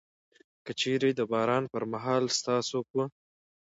که چيري د باران پر مهال ستاسو په